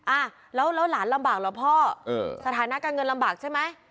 อ่ะแล้วหลานลำบากเหรอพ่อเออสถานะการเงินลำบากใช่ไหม